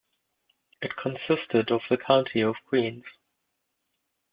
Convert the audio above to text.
It consisted of the County of Queen's.